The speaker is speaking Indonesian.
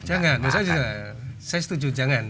jangan saya setuju jangan